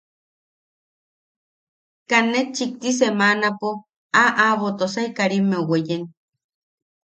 Kaa ne chikti semanapo aa aʼabo Tosai Karimmeu weyen.